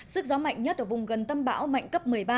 sức gió mạnh nhất ở vùng gần tâm bão mạnh cấp một mươi ba